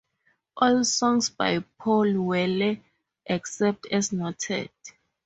All songs by Paul Weller except as noted.